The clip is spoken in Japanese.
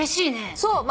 そう。